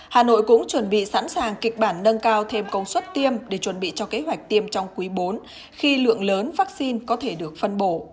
hà nội cũng chuẩn bị sẵn sàng kịch bản nâng cao thêm công suất tiêm để chuẩn bị cho kế hoạch tiêm trong quý bốn khi lượng lớn vaccine có thể được phân bổ